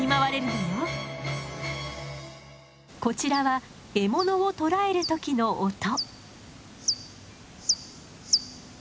こちらは獲物を捕らえる時の音。